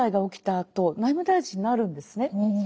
あと内務大臣になるんですね。